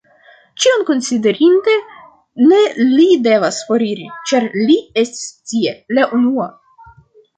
Ĉion konsiderinte, ne li devas foriri, ĉar li estis tie la unua.